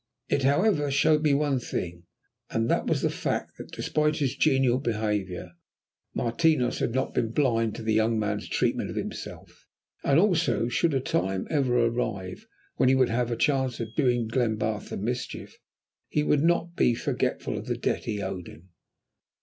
It however showed me one thing, and that was the fact that despite his genial behaviour, Martinos had not been blind to the young man's treatment of himself, and also that, should a time ever arrive when he would have a chance of doing Glenbarth a mischief, he would not be forgetful of the debt he owed him.